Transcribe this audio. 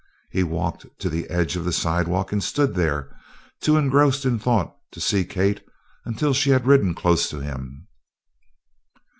He walked to the edge of the sidewalk and stood there, too engrossed in thought to see Kate until she had ridden close to him.